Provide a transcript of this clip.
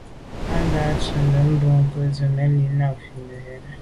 Á ndǎ’ nə̀ tswìdə̌ bwɔ́ŋkə́’ zə̄ yə̂n mɛ́n lî nâ’ fît nə̀ rə̌.